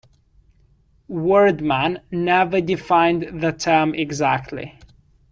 Wardman never defined the term exactly.